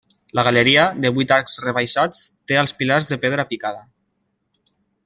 La galeria, de vuit arcs rebaixats, té als pilars de pedra picada.